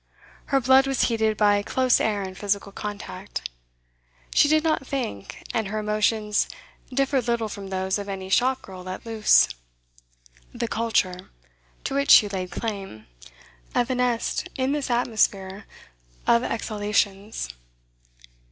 Her blood was heated by close air and physical contact. She did not think, and her emotions differed little from those of any shop girl let loose. The 'culture,' to which she laid claim, evanesced in this atmosphere of exhalations.